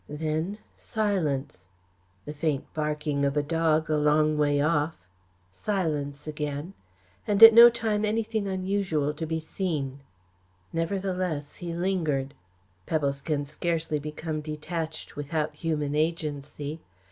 Then silence the faint barking of a dog a long way off silence again, and at no time anything unusual to be seen. Nevertheless he lingered. Pebbles can scarcely become detached without human agency.